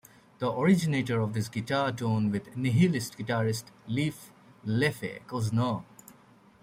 The originator of this guitar tone was Nihilist guitarist Leif "Leffe" Cuzner.